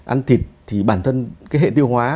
ăn thịt thì bản thân cái hệ tiêu hóa